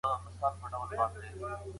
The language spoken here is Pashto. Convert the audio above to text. ډوډۍ زموږ له خوا وخوړل شوه.